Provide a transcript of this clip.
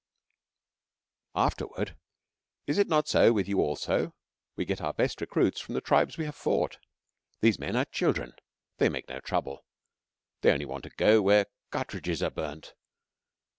"Afterward is it not so with you also? we get our best recruits from the tribes we have fought. These men are children. They make no trouble. They only want to go where cartridges are burnt.